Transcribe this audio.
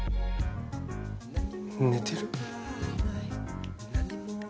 寝てる？